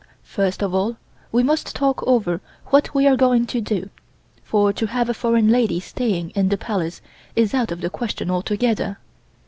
First of all we must talk over what we are going to do, for to have a foreign lady staying in the Palace is out of the question altogether.